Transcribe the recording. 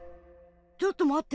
ちょっとまって。